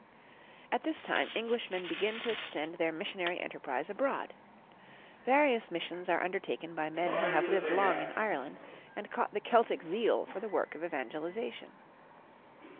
At this time Englishmen begin to extend their missionary enterprise abroad. Various missions are undertaken by men who have lived long in Ireland and caught the Celtic zeal for the work of evangelization.